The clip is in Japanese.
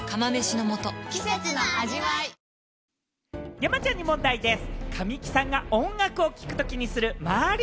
山ちゃんに問題です。